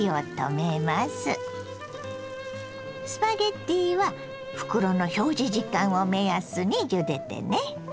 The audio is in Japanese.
スパゲッティは袋の表示時間を目安にゆでてね。